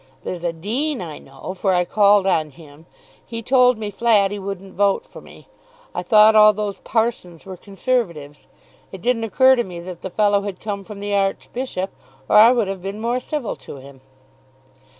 "There's a Dean, I know, for I called on him. He told me flat he wouldn't vote for me. I thought all those parsons were Conservatives. It didn't occur to me that the fellow had come from the Archbishop, or I would have been more civil to him."